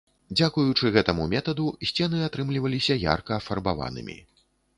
Дзякуючы гэтаму метаду, сцены атрымліваліся ярка афарбаванымі.